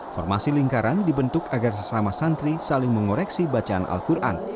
formasi lingkaran dibentuk agar sesama santri saling mengoreksi bacaan al quran